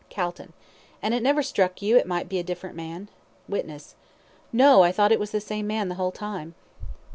CALTON: And it never struck you it might be a different man? WITNESS: No; I thought it was the same man the whole time.